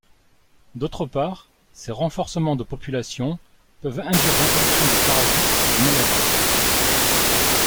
D’autre part, ces renforcements de population peuvent induire l’introduction de parasites ou de maladies.